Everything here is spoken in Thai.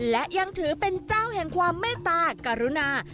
และยังถือเป็นเจ้าแห่งความเมตตากรุณา